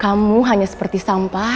kamu hanya seperti sampah